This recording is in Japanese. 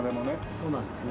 そうなんですね。